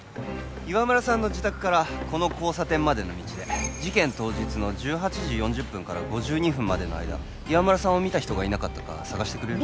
岩村さんの自宅からこの交差点までの道で事件当日の１８時４０分から５２分までの間岩村さんを見た人がいなかったか探してくれる？